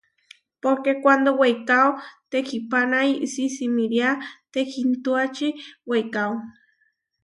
Poké kuándo weikáo tekihpánai, sisimíria tehkiintuáči weikáo.